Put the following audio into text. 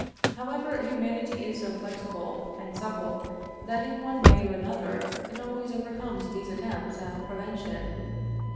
However, humanity is so flexible and supple that, in one way or another, it always overcomes these attempts at prevention.